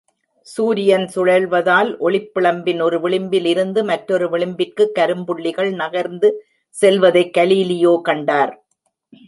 சூரியன் சுழல்வதால், ஒளிப்பிழம்பின் ஒரு விளிம்பில் இருந்து மற்றொரு விளிம்பிற்குக் கரும்புள்ளிகள் நகர்ந்து செல்வதைக் கலீலியோ கண்டார்.